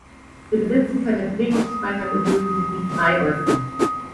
Sie besitzen keine Bewegungsfreiheit und dürfen sich nicht frei äußern.